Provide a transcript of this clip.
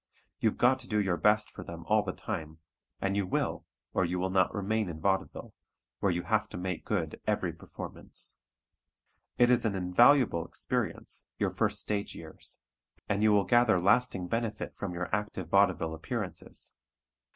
You've got to do your best for them all the time and you will, or you will not remain in vaudeville, where you have to "make good" every performance. It is an invaluable experience, your first stage years, and you will gather lasting benefit from your active vaudeville appearances.